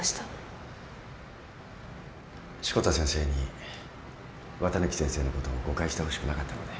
志子田先生に綿貫先生のことを誤解してほしくなかったので。